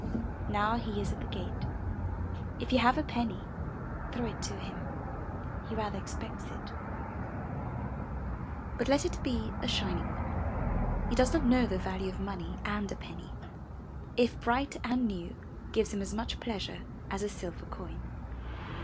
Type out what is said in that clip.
Now he is at the gate. If you have a penny, throw it to him; he rather expects it; but let ill* 395 MY BOOK HOUSE it be a shiny one — he does not know the value of money and a penny, if bright and new, gives him as much pleasure as a silver coin.